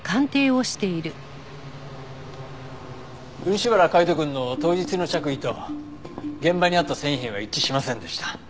漆原海斗くんの当日の着衣と現場にあった繊維片は一致しませんでした。